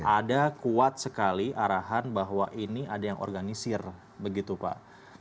ada kuat sekali arahan bahwa ini ada yang organisir begitu pak